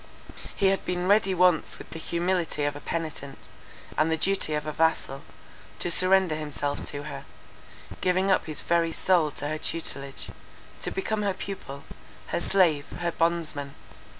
He had been ready once with the humility of a penitent, and the duty of a vassal, to surrender himself to her; giving up his very soul to her tutelage, to become her pupil, her slave, her bondsman.